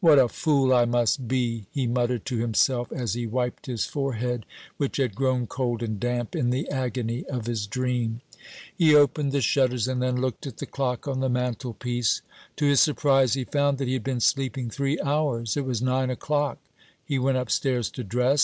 "What a fool I must be!" he muttered to himself, as he wiped his forehead, which had grown cold and damp in the agony of his dream. He opened the shutters, and then looked at the clock on the mantelpiece. To his surprise he found that he had been sleeping three hours. It was nine o'clock. He went upstairs to dress.